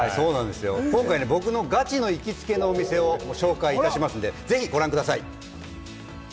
今回は僕のガチの行きつけのお店をご紹介しますので、ぜひご覧ください。